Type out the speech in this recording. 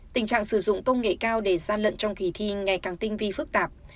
tình trạng sử dụng công nghệ cao để gian lận trong kỳ thi ngày càng tinh vi phức tạp